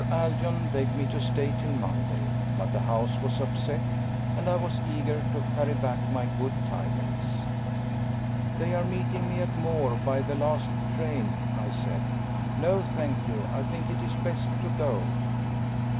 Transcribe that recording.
Aldoyn begged me to stay till Monday; but the house was upset, and I was eager to carry back my good tidings. "They are meeting me at Moore by the last train," I said. "No, thank you, I think it is best to go."